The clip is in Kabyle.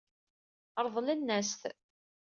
Ṛeḍlen-as-t.